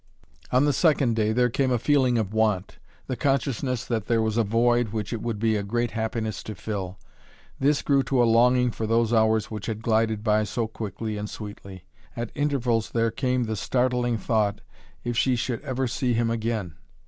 On the second day there came a feeling of want; the consciousness that there was a void which it would be a great happiness to fill. This grew to a longing for those hours which had glided by so quickly and sweetly. At intervals there came the startling thought: if she should never see him again!